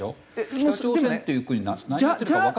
北朝鮮っていう国何やってるかわからない。